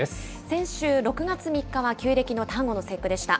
先週６月３日は旧暦の端午の節句でした。